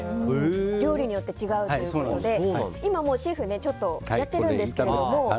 料理によって違うということで今もシェフやってるんですけども。